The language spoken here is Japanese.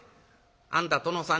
あんた殿さん